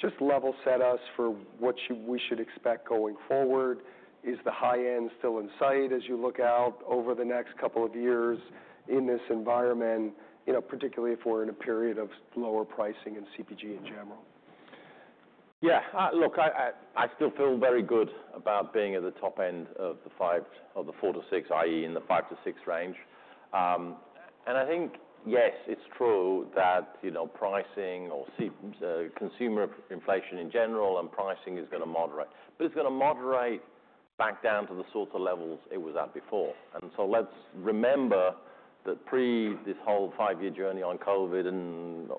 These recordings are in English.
Just level set us for what we should expect going forward. Is the high-end still in sight as you look out over the next couple of years in this environment, particularly if we're in a period of lower pricing and CPG in general? Yeah. Look, I still feel very good about being at the top end of the four-to-six, i.e., in the five-to-six range. And I think, yes, it's true that pricing or consumer inflation in general and pricing is going to moderate, but it's going to moderate back down to the sorts of levels it was at before. And so let's remember that pre this whole five-year journey on COVID and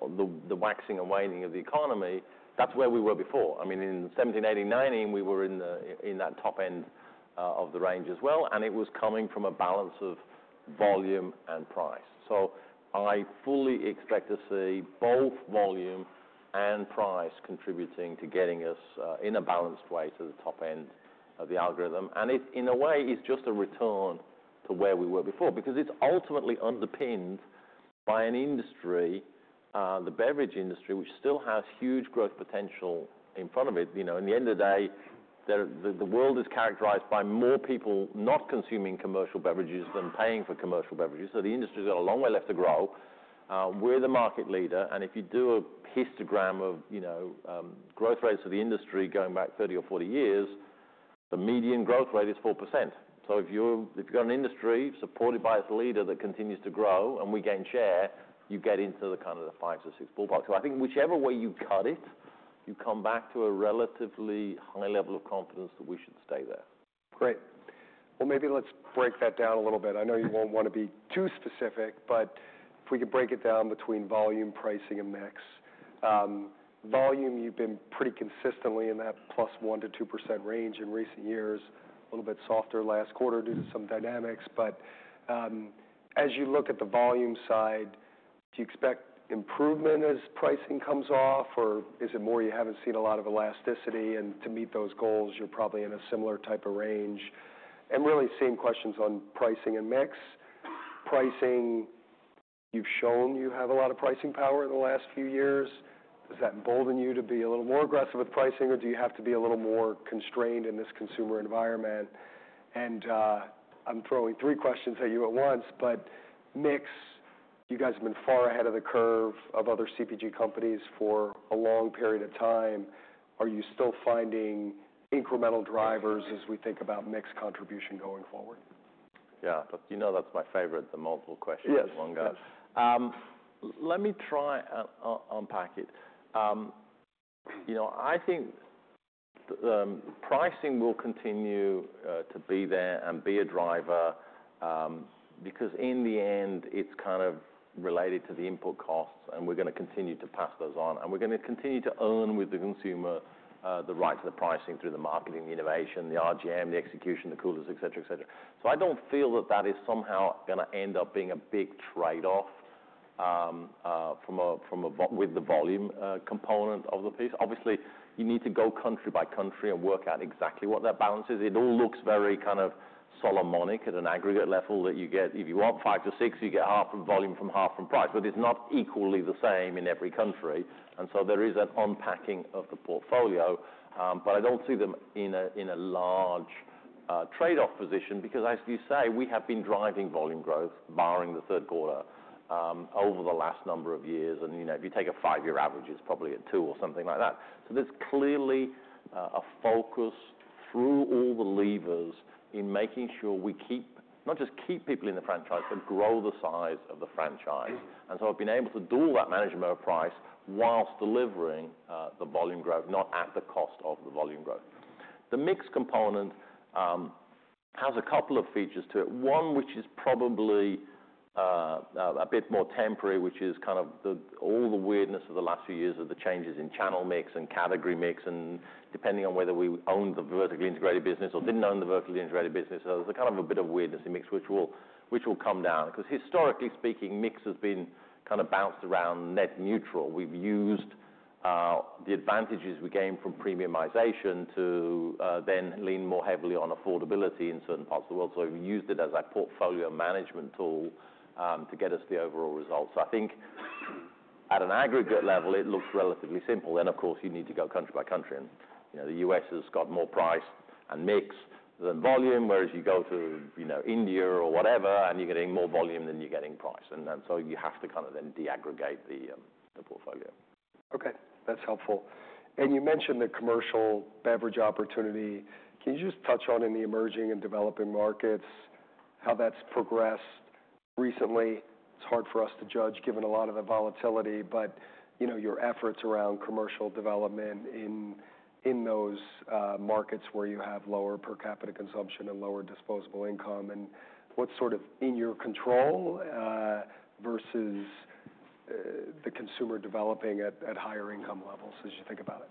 the waxing and waning of the economy, that's where we were before. I mean, in 2018, 2019, we were in that top end of the range as well. And it was coming from a balance of volume and price. So I fully expect to see both volume and price contributing to getting us in a balanced way to the top end of the algorithm. And in a way, it's just a return to where we were before because it's ultimately underpinned by an industry, the beverage industry, which still has huge growth potential in front of it. In the end of the day, the world is characterized by more people not consuming commercial beverages than paying for commercial beverages. So the industry's got a long way left to grow. We're the market leader. And if you do a histogram of growth rates of the industry going back 30 years or 40 years, the median growth rate is 4%. So if you've got an industry supported by its leader that continues to grow and we gain share, you get into the kind of the five to six ballpark. So I think whichever way you cut it, you come back to a relatively high level of confidence that we should stay there. Great. Well, maybe let's break that down a little bit. I know you won't want to be too specific, but if we could break it down between volume, pricing, and mix. Volume, you've been pretty consistently in that 1%-2%+ range in recent years, a little bit softer last quarter due to some dynamics. But as you look at the volume side, do you expect improvement as pricing comes off, or is it more you haven't seen a lot of elasticity? And to meet those goals, you're probably in a similar type of range. And really same questions on pricing and mix. Pricing, you've shown you have a lot of pricing power in the last few years. Does that embolden you to be a little more aggressive with pricing, or do you have to be a little more constrained in this consumer environment? I'm throwing three questions at you at once. Mix, you guys have been far ahead of the curve of other CPG companies for a long period of time. Are you still finding incremental drivers as we think about mix contribution going forward? Yeah. You know that's my favorite, the multiple questions, the one guy. Yes. Yes. Let me try and unpack it. I think pricing will continue to be there and be a driver because in the end, it's kind of related to the input costs, and we're going to continue to pass those on. And we're going to continue to earn with the consumer the right to the pricing through the marketing, the innovation, the RGM, the execution, the coolers, etc., etc. So I don't feel that that is somehow going to end up being a big trade-off with the volume component of the piece. Obviously, you need to go country by country and work out exactly what that balance is. It all looks very kind of Solomonic at an aggregate level that you get. If you want five to six, you get half from volume, half from price, but it's not equally the same in every country. There is an unpacking of the portfolio. I don't see them in a large trade-off position because, as you say, we have been driving volume growth barring the third quarter over the last number of years. If you take a five-year average, it's probably at two or something like that. There's clearly a focus through all the levers in making sure we keep not just people in the franchise, but grow the size of the franchise. We've been able to do all that management of price while delivering the volume growth, not at the cost of the volume growth. The mix component has a couple of features to it, one which is probably a bit more temporary, which is kind of all the weirdness of the last few years of the changes in channel mix and category mix. And depending on whether we owned the vertically integrated business or didn't own the vertically integrated business, there's kind of a bit of weirdness in mix, which will come down because historically speaking, mix has been kind of bounced around net neutral. We've used the advantages we gained from premiumization to then lean more heavily on affordability in certain parts of the world. So we've used it as a portfolio management tool to get us the overall results. So I think at an aggregate level, it looks relatively simple. Then, of course, you need to go country by country. And the U.S. has got more price and mix than volume, whereas you go to India or whatever, and you're getting more volume than you're getting price. And so you have to kind of then de-aggregate the portfolio. Okay. That's helpful. And you mentioned the commercial beverage opportunity. Can you just touch on, in the emerging and developing markets, how that's progressed recently? It's hard for us to judge given a lot of the volatility, but your efforts around commercial development in those markets where you have lower per capita consumption and lower disposable income, and what's sort of in your control versus the consumer developing at higher income levels as you think about it.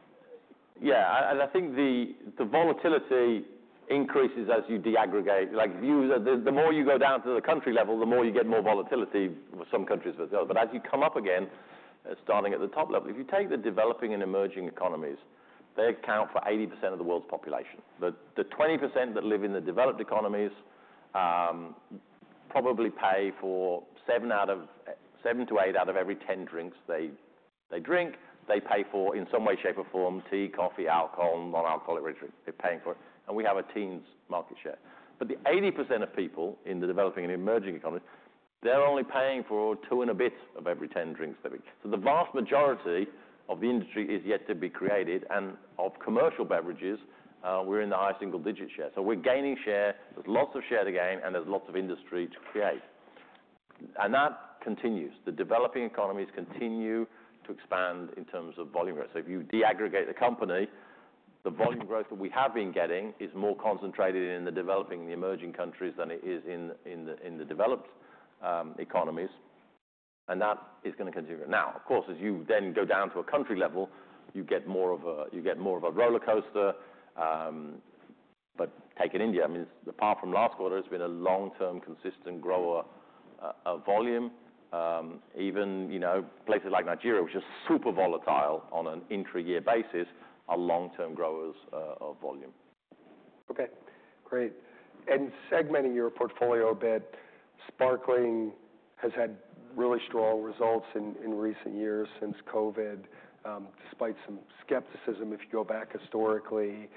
Yeah, and I think the volatility increases as you de-aggregate. The more you go down to the country level, the more you get more volatility with some countries versus others, but as you come up again, starting at the top level, if you take the developing and emerging economies, they account for 80% of the world's population. The 20% that live in the developed economies probably pay for seven to eight out of every 10 drinks they drink. They pay for in some way, shape, or form, tea, coffee, alcohol, non-alcoholic drinks. They're paying for it, and we have a teens market share, but the 80% of people in the developing and emerging economies, they're only paying for two and a bit of every 10 drinks they drink. So the vast majority of the industry is yet to be created, and of commercial beverages, we're in the high single-digit share. So we're gaining share. There's lots of share to gain, and there's lots of industry to create. And that continues. The developing economies continue to expand in terms of volume growth. So if you de-aggregate the company, the volume growth that we have been getting is more concentrated in the developing and the emerging countries than it is in the developed economies. And that is going to continue. Now, of course, as you then go down to a country level, you get more of a roller coaster. But take India. I mean, apart from last quarter, it's been a long-term consistent grower of volume. Even places like Nigeria, which are super volatile on an intra-year basis, are long-term growers of volume. Okay. Great. And segmenting your portfolio a bit, Sparkling has had really strong results in recent years since COVID, despite some skepticism if you go back historically.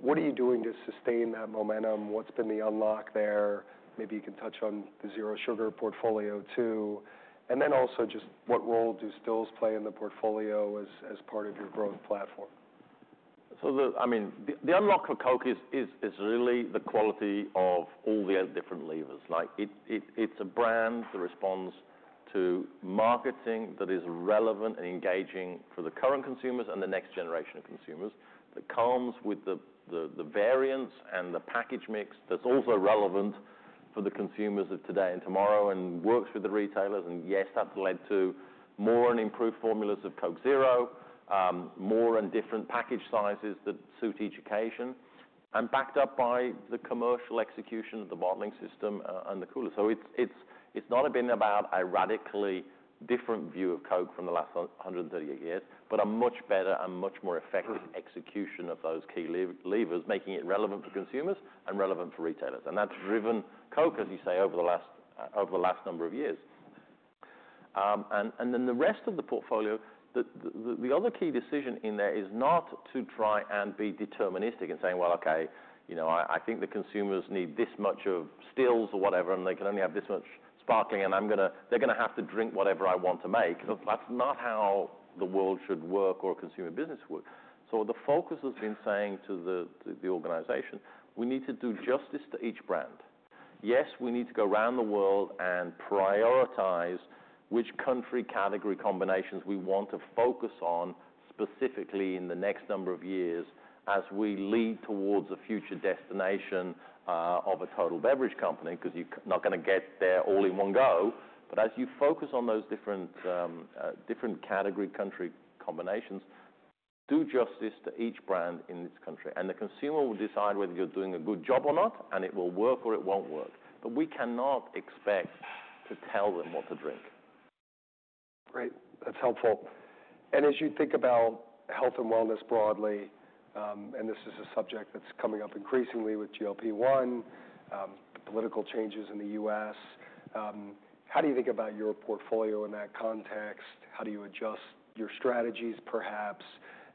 What are you doing to sustain that momentum? What's been the unlock there? Maybe you can touch on the zero sugar portfolio too. And then also just what role do stills play in the portfolio as part of your growth platform? I mean, the unlock for Coke is really the quality of all the different levers. It's a brand that responds to marketing that is relevant and engaging for the current consumers and the next generation of consumers. That comes with the variants and the package mix that's also relevant for the consumers of today and tomorrow and works with the retailers. Yes, that's led to more and improved formulas of Coke Zero, more and different package sizes that suit each occasion, and backed up by the commercial execution of the bottling system and the cooler. It's not been about a radically different view of Coke from the last 138 years, but a much better and much more effective execution of those key levers, making it relevant for consumers and relevant for retailers. That's driven Coke, as you say, over the last number of years. And then the rest of the portfolio, the other key decision in there is not to try and be deterministic in saying, "Well, okay, I think the consumers need this much of stills or whatever, and they can only have this much Sparkling, and they're going to have to drink whatever I want to make." That's not how the world should work or a consumer business should work. So the focus has been saying to the organization, "We need to do justice to each brand." Yes, we need to go around the world and prioritize which country category combinations we want to focus on specifically in the next number of years as we lead towards a future destination of a total beverage company because you're not going to get there all in one go. But as you focus on those different category country combinations, do justice to each brand in this country. And the consumer will decide whether you're doing a good job or not, and it will work or it won't work. But we cannot expect to tell them what to drink. Great. That's helpful. And as you think about health and wellness broadly, and this is a subject that's coming up increasingly with GLP-1, the political changes in the U.S., how do you think about your portfolio in that context? How do you adjust your strategies, perhaps?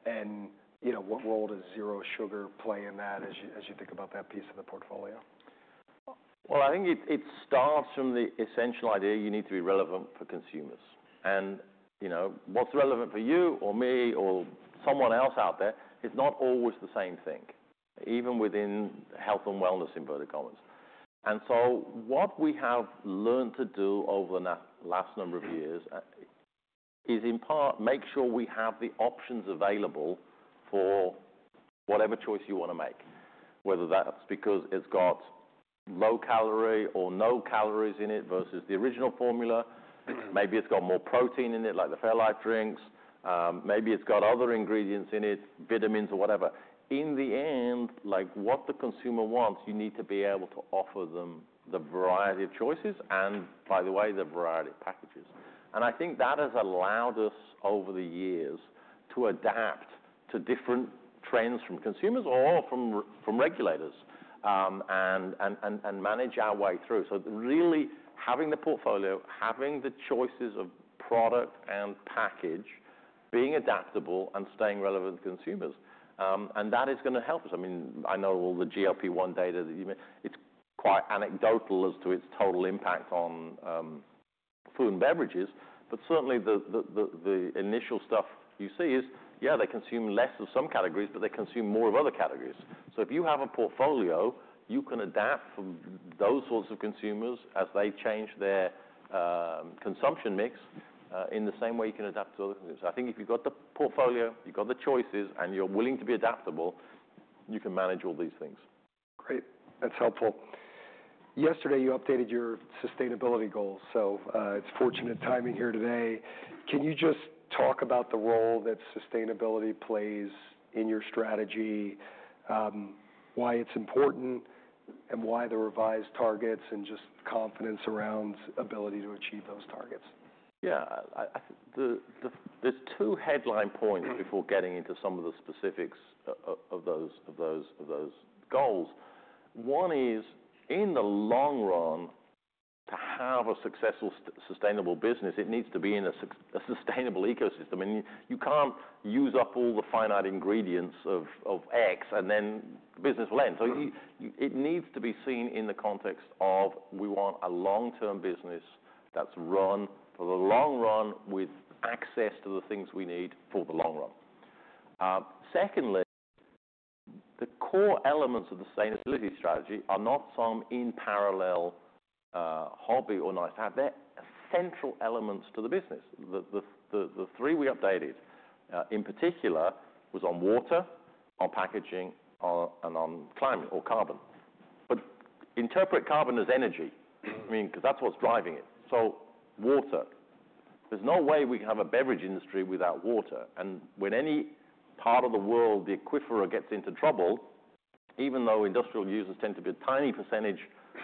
And what role does zero sugar play in that as you think about that piece of the portfolio? I think it starts from the essential idea you need to be relevant for consumers. What's relevant for you or me or someone else out there is not always the same thing, even within health and wellness inverted commas. What we have learned to do over the last number of years is in part make sure we have the options available for whatever choice you want to make, whether that's because it's got low calorie or no calories in it versus the original formula. Maybe it's got more protein in it like the Fairlife drinks. Maybe it's got other ingredients in it, vitamins or whatever. In the end, what the consumer wants, you need to be able to offer them the variety of choices and, by the way, the variety of packages. And I think that has allowed us over the years to adapt to different trends from consumers or from regulators and manage our way through. So really having the portfolio, having the choices of product and package, being adaptable and staying relevant to consumers. And that is going to help us. I mean, I know all the GLP-1 data that you mentioned. It's quite anecdotal as to its total impact on food and beverages. But certainly, the initial stuff you see is, yeah, they consume less of some categories, but they consume more of other categories. So if you have a portfolio, you can adapt for those sorts of consumers as they change their consumption mix in the same way you can adapt to other consumers. So I think if you've got the portfolio, you've got the choices, and you're willing to be adaptable, you can manage all these things. Great. That's helpful. Yesterday, you updated your sustainability goals. So it's fortunate timing here today. Can you just talk about the role that sustainability plays in your strategy, why it's important, and why the revised targets and just confidence around ability to achieve those targets? Yeah. There's two headline points before getting into some of the specifics of those goals. One is, in the long run, to have a successful sustainable business, it needs to be in a sustainable ecosystem. And you can't use up all the finite ingredients of X, and then the business will end. So it needs to be seen in the context of we want a long-term business that's run for the long run with access to the things we need for the long run. Secondly, the core elements of the sustainability strategy are not some in parallel hobby or nice to have. They're central elements to the business. The three we updated in particular was on water, on packaging, and on climate or carbon. But interpret carbon as energy because that's what's driving it. So water. There's no way we can have a beverage industry without water. And when any part of the world, the aquifer, gets into trouble, even though industrial users tend to be a tiny percentage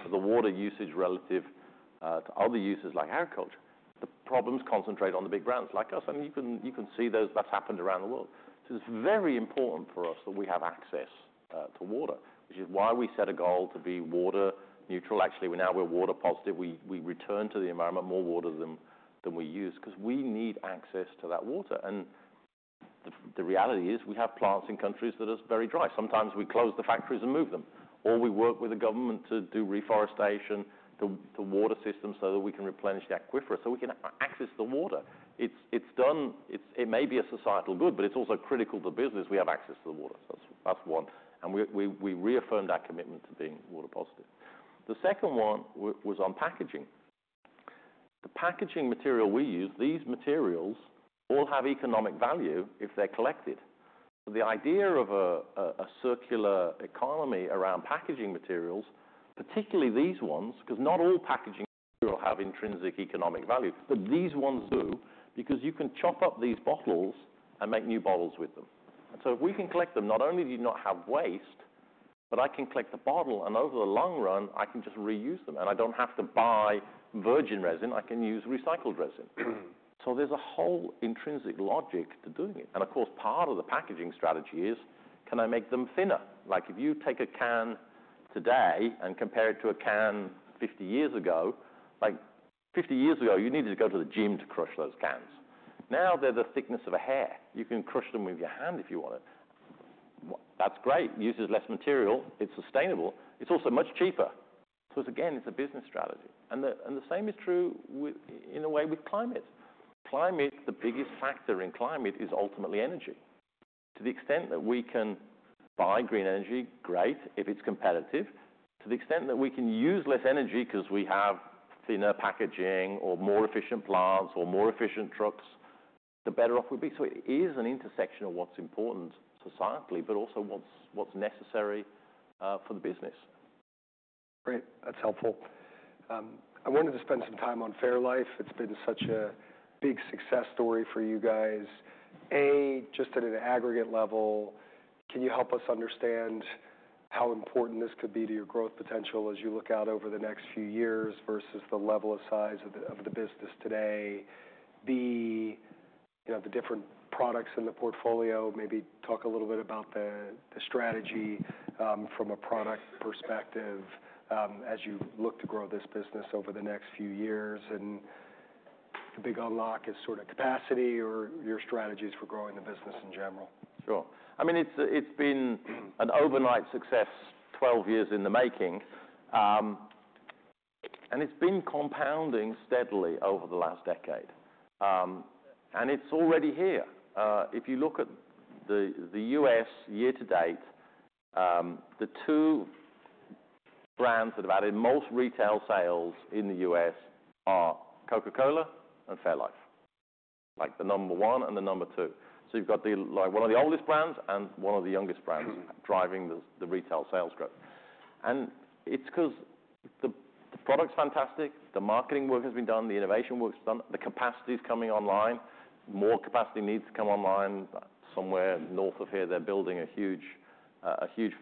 of the water usage relative to other uses like agriculture, the problems concentrate on the big brands like us. And you can see that's happened around the world. So it's very important for us that we have access to water, which is why we set a goal to be water neutral. Actually, now we're water positive. We return to the environment more water than we use because we need access to that water. And the reality is we have plants in countries that are very dry. Sometimes we close the factories and move them, or we work with the government to do reforestation, the water system so that we can replenish the aquifers so we can access the water. It's done. It may be a societal good, but it's also critical to the business. We have access to the water. So that's one. And we reaffirmed our commitment to being water positive. The second one was on packaging. The packaging material we use, these materials all have economic value if they're collected. So the idea of a circular economy around packaging materials, particularly these ones, because not all packaging will have intrinsic economic value, but these ones do because you can chop up these bottles and make new bottles with them. And so if we can collect them, not only do you not have waste, but I can collect the bottle, and over the long run, I can just reuse them. And I don't have to buy virgin resin. I can use recycled resin. So there's a whole intrinsic logic to doing it. And of course, part of the packaging strategy is, can I make them thinner? If you take a can today and compare it to a can 50 years ago, 50 years ago, you needed to go to the gym to crush those cans. Now they're the thickness of a hair. You can crush them with your hand if you want it. That's great. Uses less material. It's sustainable. It's also much cheaper. So again, it's a business strategy. And the same is true in a way with climate. The biggest factor in climate is ultimately energy. To the extent that we can buy green energy, great, if it's competitive. To the extent that we can use less energy because we have thinner packaging or more efficient plants or more efficient trucks, the better off we'll be. So it is an intersection of what's important societally, but also what's necessary for the business. Great. That's helpful. I wanted to spend some time on Fairlife. It's been such a big success story for you guys. A, just at an aggregate level, can you help us understand how important this could be to your growth potential as you look out over the next few years versus the level of size of the business today? B, the different products in the portfolio, maybe talk a little bit about the strategy from a product perspective as you look to grow this business over the next few years. And the big unlock is sort of capacity or your strategies for growing the business in general. Sure. I mean, it's been an overnight success, 12 years in the making. And it's been compounding steadily over the last decade. And it's already here. If you look at the U.S. year to date, the two brands that have added most retail sales in the U.S. are Coca-Cola and Fairlife, the number one and the number two. So you've got one of the oldest brands and one of the youngest brands driving the retail sales growth. And it's because the product's fantastic. The marketing work has been done. The innovation work's done. The capacity's coming online. More capacity needs to come online. Somewhere north of here, they're building a huge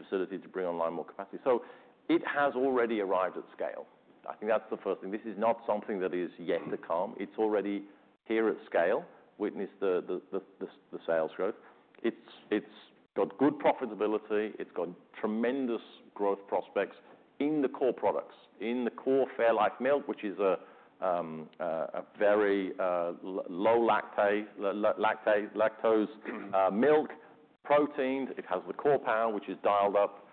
facility to bring online more capacity. So it has already arrived at scale. I think that's the first thing. This is not something that is yet to come. It's already here at scale. Witness the sales growth. It's got good profitability. It's got tremendous growth prospects in the core products, in the core Fairlife milk, which is a very low lactose milk, protein. It has the Core Power, which is dialed up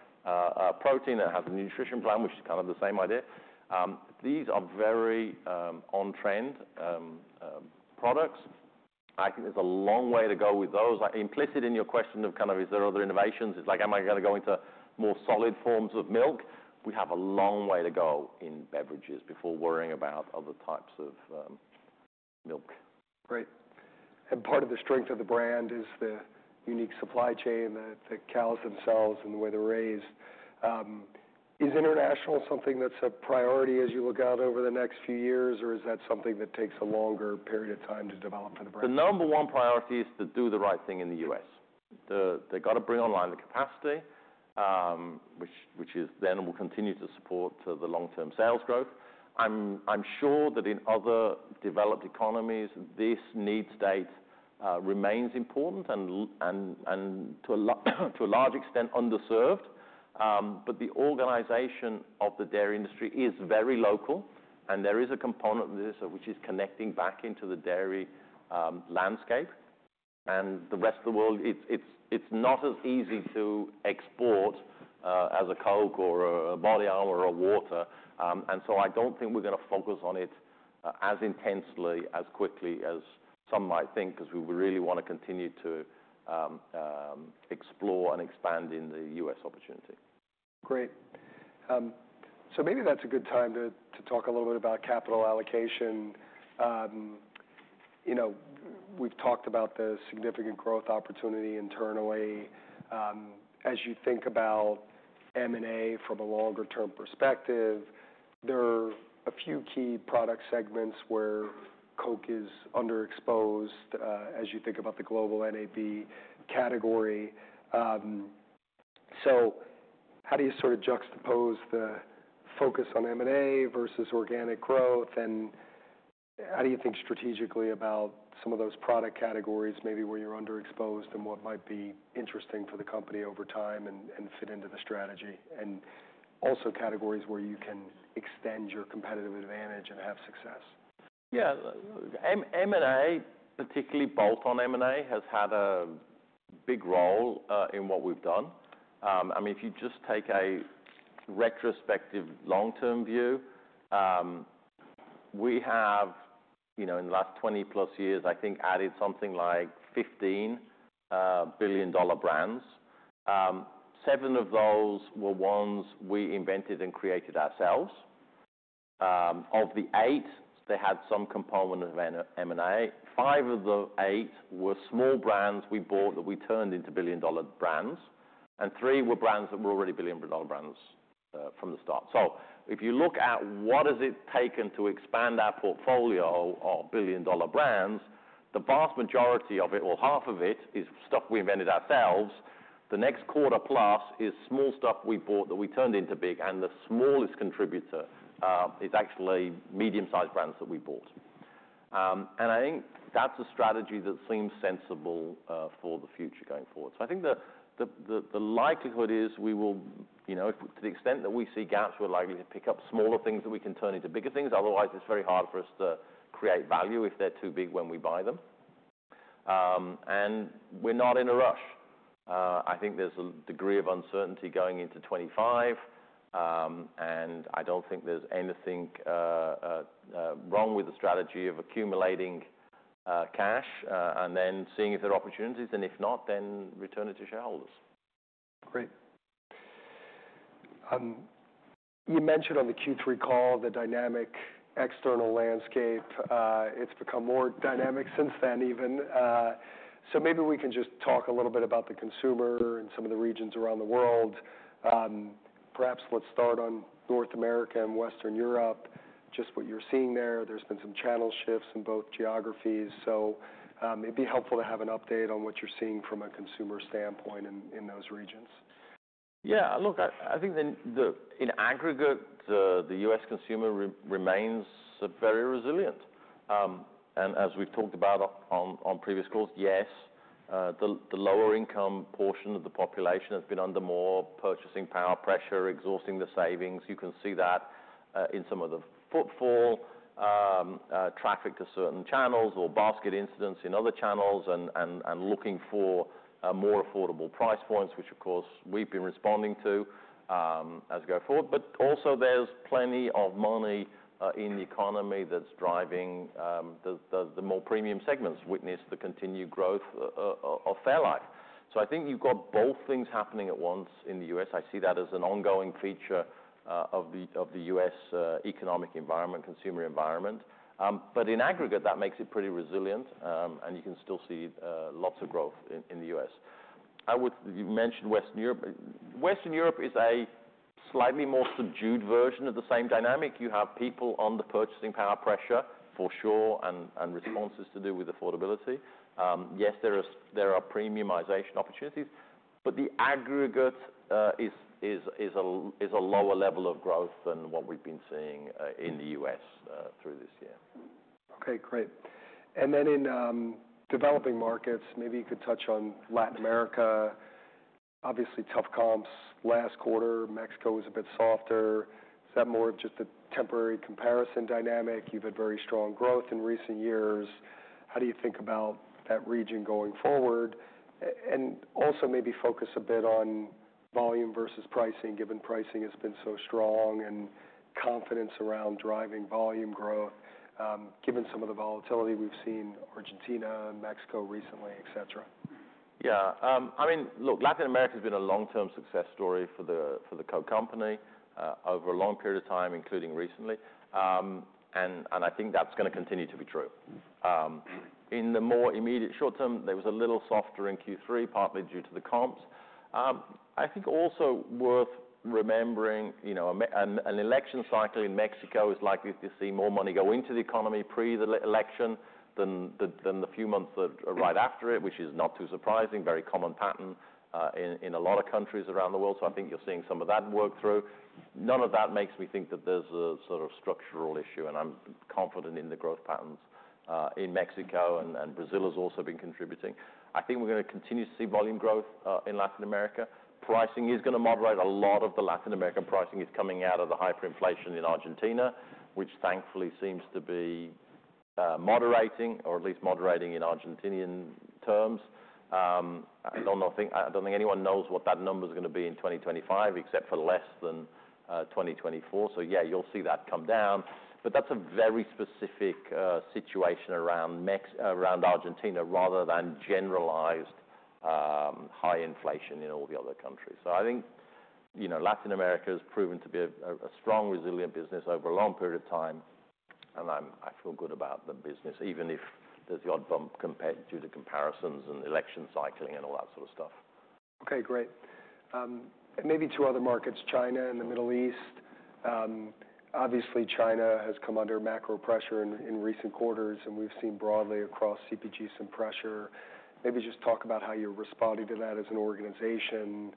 protein. It has a Nutrition Plan, which is kind of the same idea. These are very on-trend products. I think there's a long way to go with those. Implicit in your question of kind of is there other innovations? It's like, am I going to go into more solid forms of milk? We have a long way to go in beverages before worrying about other types of milk. Great. And part of the strength of the brand is the unique supply chain, the cows themselves, and the way they're raised. Is international something that's a priority as you look out over the next few years, or is that something that takes a longer period of time to develop for the brand? The number one priority is to do the right thing in the U.S. They've got to bring online the capacity, which then will continue to support the long-term sales growth. I'm sure that in other developed economies, this need state remains important and to a large extent underserved. But the organization of the dairy industry is very local, and there is a component of this which is connecting back into the dairy landscape, and the rest of the world, it's not as easy to export as a Coke or a BodyArmor or a water, and so I don't think we're going to focus on it as intensely, as quickly as some might think because we really want to continue to explore and expand in the U.S. opportunity. Great. So maybe that's a good time to talk a little bit about capital allocation. We've talked about the significant growth opportunity internally. As you think about M&A from a longer-term perspective, there are a few key product segments where Coke is underexposed as you think about the global NAB category. So how do you sort of juxtapose the focus on M&A versus organic growth? And how do you think strategically about some of those product categories maybe where you're underexposed and what might be interesting for the company over time and fit into the strategy? And also categories where you can extend your competitive advantage and have success? Yeah. M&A, particularly bolt-on M&A, has had a big role in what we've done. I mean, if you just take a retrospective long-term view, we have, in the last 20+ years, I think added something like $15 billion brands. Seven of those were ones we invented and created ourselves. Of the eight, they had some component of M&A. Five of the eight were small brands we bought that we turned into billion-dollar brands, and three were brands that were already billion-dollar brands from the start, so if you look at what has it taken to expand our portfolio of billion-dollar brands, the vast majority of it, or half of it, is stuff we invented ourselves. The next quarter-plus is small stuff we bought that we turned into big, and the smallest contributor is actually medium-sized brands that we bought. I think that's a strategy that seems sensible for the future going forward. So I think the likelihood is we will, to the extent that we see gaps, we're likely to pick up smaller things that we can turn into bigger things. Otherwise, it's very hard for us to create value if they're too big when we buy them. And we're not in a rush. I think there's a degree of uncertainty going into 2025. And I don't think there's anything wrong with the strategy of accumulating cash and then seeing if there are opportunities. And if not, then return it to shareholders. Great. You mentioned on the Q3 call the dynamic external landscape. It's become more dynamic since then even. So maybe we can just talk a little bit about the consumer and some of the regions around the world. Perhaps let's start on North America and Western Europe, just what you're seeing there. There's been some channel shifts in both geographies. So it'd be helpful to have an update on what you're seeing from a consumer standpoint in those regions. Yeah. Look, I think in aggregate, the U.S. consumer remains very resilient. And as we've talked about on previous calls, yes, the lower-income portion of the population has been under more purchasing power pressure, exhausting the savings. You can see that in some of the footfall, traffic to certain channels, or basket incidents in other channels, and looking for more affordable price points, which of course we've been responding to as we go forward. But also there's plenty of money in the economy that's driving the more premium segments. Witness the continued growth of Fairlife. So I think you've got both things happening at once in the U.S. I see that as an ongoing feature of the U.S. economic environment, consumer environment. But in aggregate, that makes it pretty resilient. And you can still see lots of growth in the U.S. You mentioned Western Europe. Western Europe is a slightly more subdued version of the same dynamic. You have people under purchasing power pressure, for sure, and responses to do with affordability. Yes, there are premiumization opportunities. But the aggregate is a lower level of growth than what we've been seeing in the U.S. through this year. Okay. Great. And then in developing markets, maybe you could touch on Latin America. Obviously, tough comps last quarter. Mexico was a bit softer. Is that more of just a temporary comparison dynamic? You've had very strong growth in recent years. How do you think about that region going forward? And also maybe focus a bit on volume versus pricing, given pricing has been so strong and confidence around driving volume growth, given some of the volatility we've seen in Argentina and Mexico recently, etc. Yeah. I mean, look, Latin America has been a long-term success story for the Coca-Cola Company over a long period of time, including recently. And I think that's going to continue to be true. In the more immediate short term, there was a little softer in Q3, partly due to the comps. I think also worth remembering an election cycle in Mexico is likely to see more money go into the economy pre-election than the few months right after it, which is not too surprising, very common pattern in a lot of countries around the world. So I think you're seeing some of that work through. None of that makes me think that there's a sort of structural issue. And I'm confident in the growth patterns in Mexico. And Brazil has also been contributing. I think we're going to continue to see volume growth in Latin America. Pricing is going to moderate. A lot of the Latin American pricing is coming out of the hyperinflation in Argentina, which thankfully seems to be moderating, or at least moderating in Argentinian terms. I don't think anyone knows what that number is going to be in 2025, except for less than 2024. So yeah, you'll see that come down. But that's a very specific situation around Argentina rather than generalized high inflation in all the other countries. So I think Latin America has proven to be a strong, resilient business over a long period of time. And I feel good about the business, even if there's the odd bump due to comparisons and election cycling and all that sort of stuff. Okay. Great. Maybe two other markets, China and the Middle East. Obviously, China has come under macro pressure in recent quarters. And we've seen broadly across CPG some pressure. Maybe just talk about how you're responding to that as an organization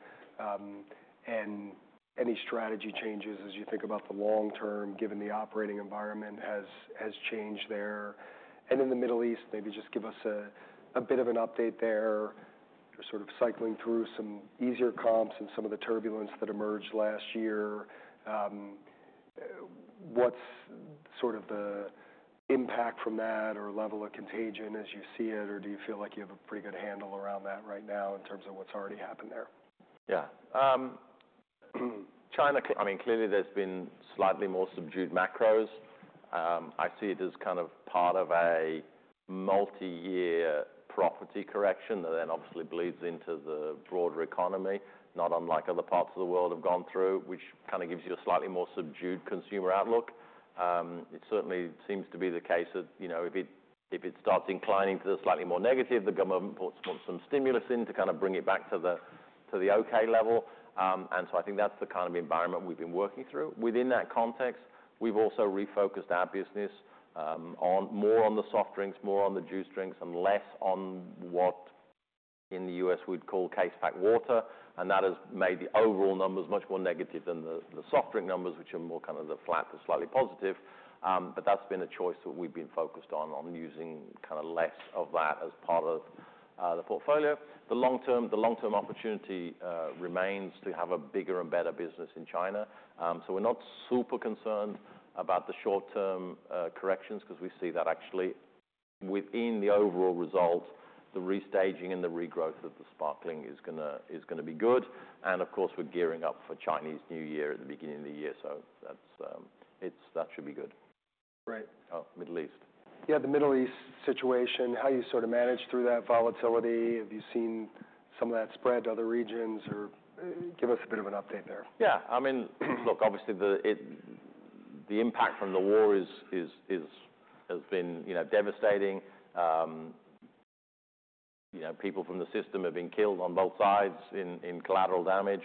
and any strategy changes as you think about the long term, given the operating environment has changed there. And in the Middle East, maybe just give us a bit of an update there. You're sort of cycling through some easier comps and some of the turbulence that emerged last year. What's sort of the impact from that or level of contagion as you see it? Or do you feel like you have a pretty good handle around that right now in terms of what's already happened there? Yeah. China, I mean, clearly there's been slightly more subdued macros. I see it as kind of part of a multi-year property correction that then obviously bleeds into the broader economy, not unlike other parts of the world have gone through, which kind of gives you a slightly more subdued consumer outlook. It certainly seems to be the case that if it starts inclining to the slightly more negative, the government wants some stimulus in to kind of bring it back to the okay level. And so I think that's the kind of environment we've been working through. Within that context, we've also refocused our business more on the soft drinks, more on the juice drinks, and less on what in the U.S. we'd call case-packed water. And that has made the overall numbers much more negative than the soft drink numbers, which are more kind of the flat, the slightly positive. But that's been a choice that we've been focused on using kind of less of that as part of the portfolio. The long-term opportunity remains to have a bigger and better business in China. So we're not super concerned about the short-term corrections because we see that actually within the overall result, the restaging and the regrowth of the sparkling is going to be good. And of course, we're gearing up for Chinese New Year at the beginning of the year. So that should be good. Great. Middle East. Yeah, the Middle East situation, how you sort of managed through that volatility? Have you seen some of that spread to other regions? Or give us a bit of an update there. Yeah. I mean, look, obviously the impact from the war has been devastating. People from the system have been killed on both sides in collateral damage.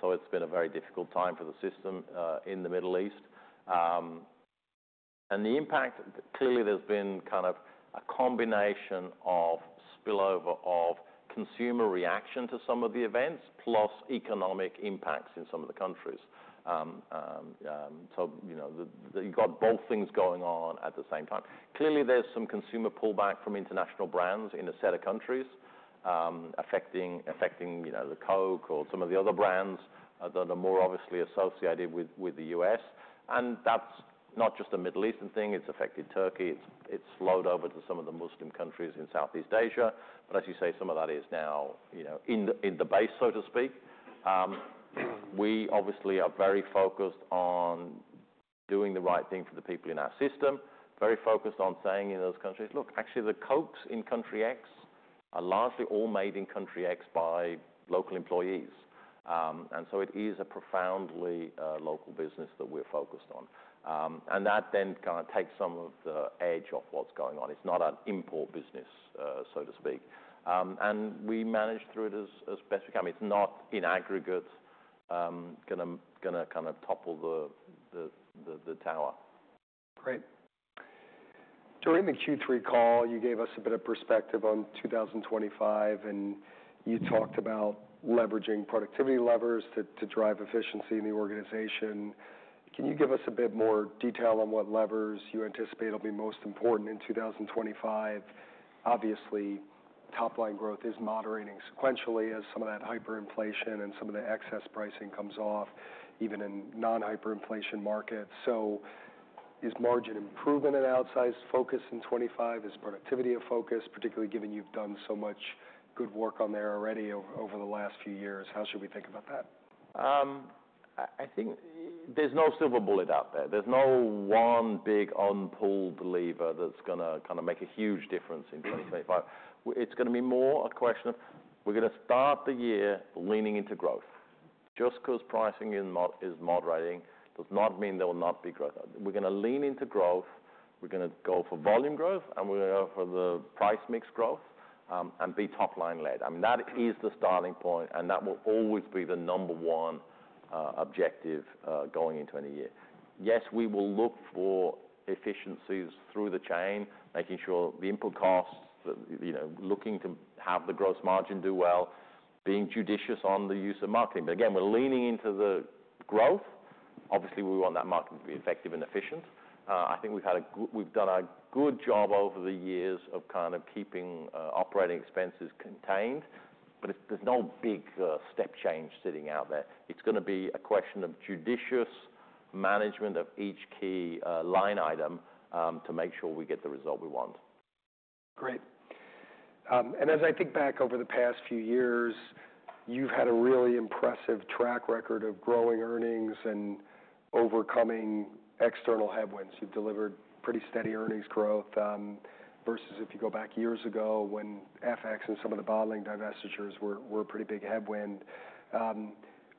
So it's been a very difficult time for the system in the Middle East. And the impact, clearly there's been kind of a combination of spillover of consumer reaction to some of the events, plus economic impacts in some of the countries. So you've got both things going on at the same time. Clearly there's some consumer pullback from international brands in a set of countries affecting the Coke or some of the other brands that are more obviously associated with the U.S. And that's not just a Middle Eastern thing. It's affected Turkey. It's flowed over to some of the Muslim countries in Southeast Asia. But as you say, some of that is now in the base, so to speak. We obviously are very focused on doing the right thing for the people in our system, very focused on saying in those countries, "Look, actually the Cokes in country X are largely all made in country X by local employees." And so it is a profoundly local business that we're focused on, and that then kind of takes some of the edge off what's going on. It's not an import business, so to speak, and we managed through it as best we can. It's not in aggregate going to kind of topple the tower. Great. During the Q3 call, you gave us a bit of perspective on 2025, and you talked about leveraging productivity levers to drive efficiency in the organization. Can you give us a bit more detail on what levers you anticipate will be most important in 2025? Obviously, top-line growth is moderating sequentially as some of that hyperinflation and some of the excess pricing comes off, even in non-hyperinflation markets. So is margin improvement an outsized focus in '25? Is productivity a focus, particularly given you've done so much good work on there already over the last few years? How should we think about that? I think there's no silver bullet out there. There's no one big unpulled lever that's going to kind of make a huge difference in 2025. It's going to be more a question of we're going to start the year leaning into growth. Just because pricing is moderating does not mean there will not be growth. We're going to lean into growth. We're going to go for volume growth and we're going to go for the price mix growth and be top-line led. I mean, that is the starting point and that will always be the number one objective going into any year. Yes, we will look for efficiencies through the chain, making sure the input costs, looking to have the gross margin do well, being judicious on the use of marketing, but again, we're leaning into the growth. Obviously, we want that marketing to be effective and efficient. I think we've done a good job over the years of kind of keeping operating expenses contained. But there's no big step change sitting out there. It's going to be a question of judicious management of each key line item to make sure we get the result we want. Great. And as I think back over the past few years, you've had a really impressive track record of growing earnings and overcoming external headwinds. You've delivered pretty steady earnings growth versus if you go back years ago when FX and some of the bottling divestitures were a pretty big headwind.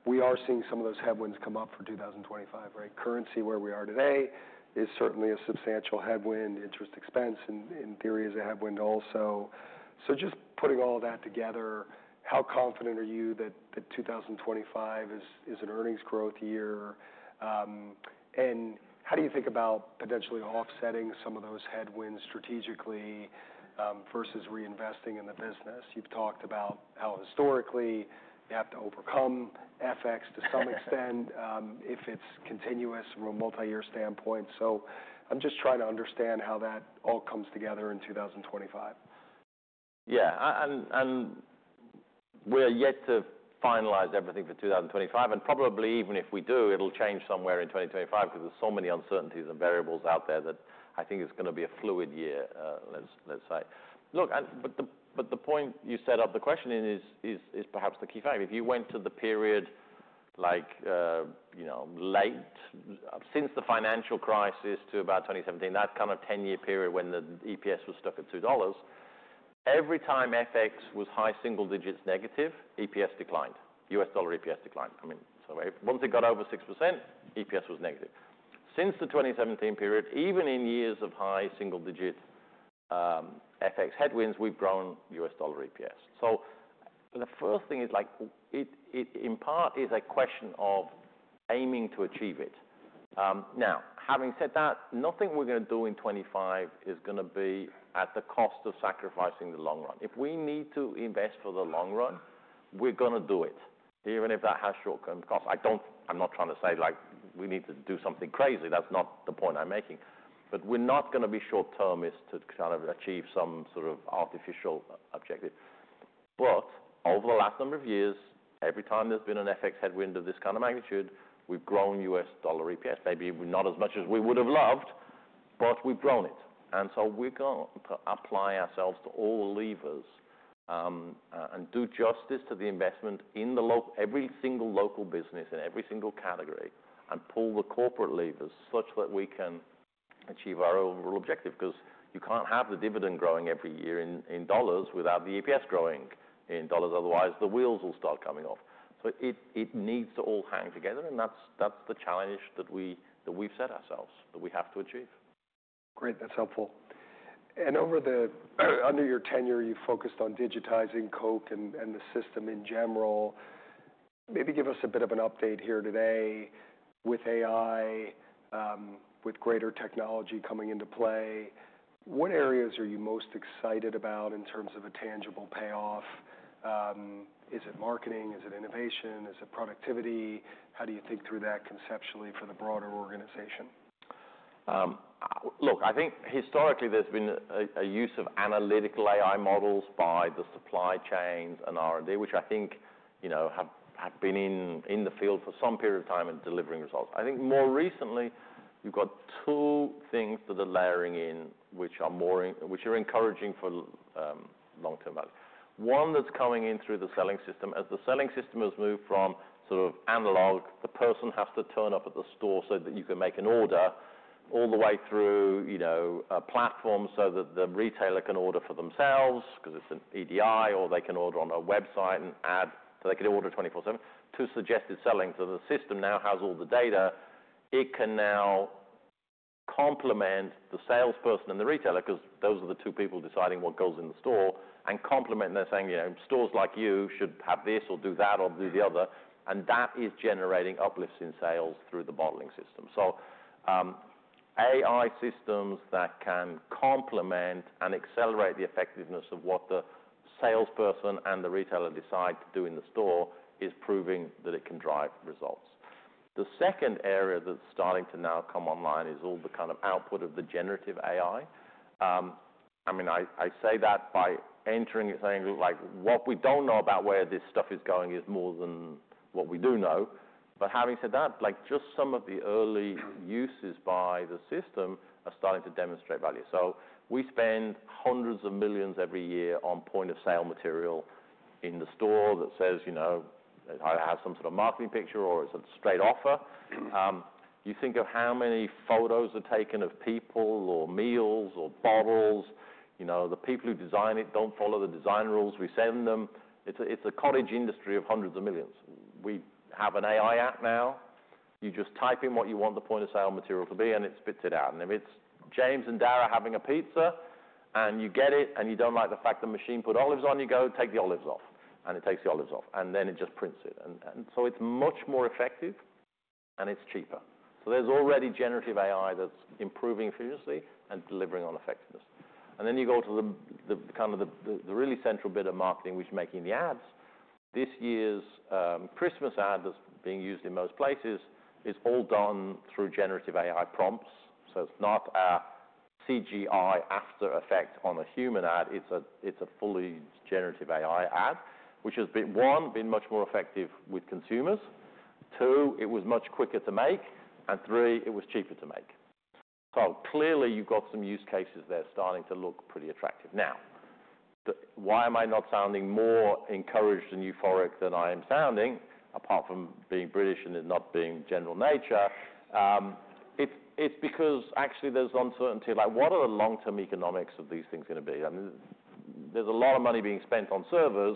We are seeing some of those headwinds come up for 2025, right? Currency where we are today is certainly a substantial headwind. Interest expense, in theory, is a headwind also. So just putting all that together, how confident are you that 2025 is an earnings growth year? And how do you think about potentially offsetting some of those headwinds strategically versus reinvesting in the business? You've talked about how historically you have to overcome FX to some extent if it's continuous from a multi-year standpoint. So I'm just trying to understand how that all comes together in 2025. Yeah, and we're yet to finalize everything for 2025, and probably even if we do, it'll change somewhere in 2025 because there's so many uncertainties and variables out there that I think it's going to be a fluid year, let's say. Look, but the point you set up the question in is perhaps the key fact. If you went to the period like late since the financial crisis to about 2017, that kind of 10-year period when the EPS was stuck at $2, every time FX was high single digits negative, EPS declined. U.S. dollar EPS declined. I mean, so once it got over 6%, EPS was negative. Since the 2017 period, even in years of high single digit FX headwinds, we've grown U.S. dollar EPS. So the first thing is like it in part is a question of aiming to achieve it. Now, having said that, nothing we're going to do in 2025 is going to be at the cost of sacrificing the long run. If we need to invest for the long run, we're going to do it, even if that has short-term costs. I'm not trying to say like we need to do something crazy. That's not the point I'm making. But we're not going to be short-termist to kind of achieve some sort of artificial objective. But over the last number of years, every time there's been an FX headwind of this kind of magnitude, we've grown U.S. dollar EPS. Maybe not as much as we would have loved, but we've grown it. And so we're going to apply ourselves to all levers and do justice to the investment in every single local business in every single category and pull the corporate levers such that we can achieve our overall objective. Because you can't have the dividend growing every year in dollars without the EPS growing in dollars. Otherwise, the wheels will start coming off. So it needs to all hang together. And that's the challenge that we've set ourselves that we have to achieve. Great. That's helpful. And under your tenure, you focused on digitizing Coke and the system in general. Maybe give us a bit of an update here today with AI, with greater technology coming into play. What areas are you most excited about in terms of a tangible payoff? Is it marketing? Is it innovation? Is it productivity? How do you think through that conceptually for the broader organization? Look, I think historically there's been a use of analytical AI models by the supply chains and R&D, which I think have been in the field for some period of time and delivering results. I think more recently you've got two things that are layering in, which are encouraging for long-term value. One that's coming in through the selling system. As the selling system has moved from sort of analog, the person has to turn up at the store so that you can make an order, all the way through a platform so that the retailer can order for themselves because it's an EDI, or they can order on a website and add so they can order 24/7 to suggested selling. So the system now has all the data. It can now complement the salesperson and the retailer because those are the two people deciding what goes in the store, and they're saying, "Stores like you should have this or do that or do the other," and that is generating uplifts in sales through the bottling system, so AI systems that can complement and accelerate the effectiveness of what the salesperson and the retailer decide to do in the store is proving that it can drive results. The second area that's starting to now come online is all the kind of output of the generative AI. I mean, I say that by entering it saying, "Look, what we don't know about where this stuff is going is more than what we do know," but having said that, just some of the early uses by the system are starting to demonstrate value. So we spend hundreds of millions every year on point-of-sale material in the store that says it has some sort of marketing picture or it's a straight offer. You think of how many photos are taken of people or meals or bottles. The people who design it don't follow the design rules we send them. It's a cottage industry of hundreds of millions. We have an AI app now. You just type in what you want the point-of-sale material to be, and it spits it out. And if it's James and Dara having a pizza and you get it and you don't like the fact the machine put olives on, you go, "Take the olives off." And it takes the olives off. And then it just prints it. And so it's much more effective, and it's cheaper. So there's already generative AI that's improving efficiency and delivering on effectiveness. And then you go to the kind of the really central bit of marketing, which is making the ads. This year's Christmas ad that's being used in most places is all done through generative AI prompts. So it's not a CGI after effect on a human ad. It's a fully generative AI ad, which has been, one, much more effective with consumers. Two, it was much quicker to make. And three, it was cheaper to make. So clearly you've got some use cases there starting to look pretty attractive. Now, why am I not sounding more encouraged and euphoric than I am sounding, apart from being British and it not being general nature? It's because actually there's uncertainty. Like what are the long-term economics of these things going to be? I mean, there's a lot of money being spent on servers.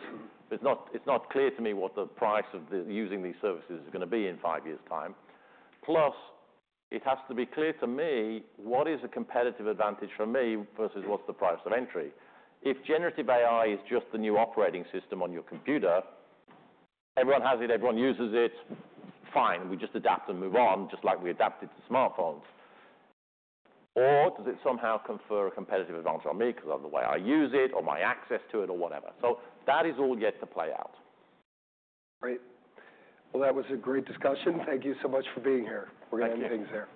It's not clear to me what the price of using these services is going to be in five years' time. Plus, it has to be clear to me what is a competitive advantage for me versus what's the price of entry. If generative AI is just the new operating system on your computer, everyone has it, everyone uses it, fine. We just adapt and move on just like we adapted to smartphones. Or does it somehow confer a competitive advantage on me because of the way I use it or my access to it or whatever? So that is all yet to play out. Great. Well, that was a great discussion. Thank you so much for being here. We're going to end things here.